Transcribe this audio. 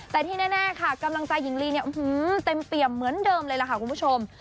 แต่ที่แน่ค่ะกำลังใจหญิงลีเนี่ยเต็มเปี่ยมเหมือนเดิมเลยล่ะค่ะคุณผู้ชม